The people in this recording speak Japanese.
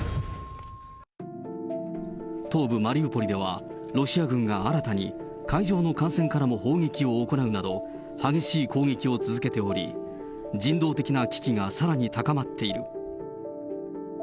東部マリウポリでは、ロシア軍が新たに海上の艦船からも砲撃を行うなど、激しい攻撃を続けており、人道的な危機がさらに高まっている。